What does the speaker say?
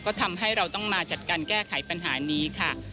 ก็ทำให้เราต้องมาจัดการแก้ไขปัญหานี้ค่ะ